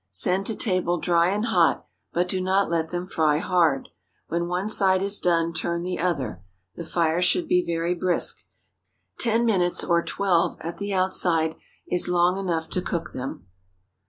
Send to table dry and hot, but do not let them fry hard. When one side is done, turn the other. The fire should be very brisk. Ten minutes, or twelve at the outside, is long enough to cook them.